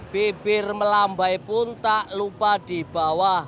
bibir melambai pun tak lupa dibawa